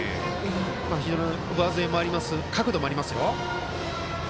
非常に上背もありますし角度もありますよ。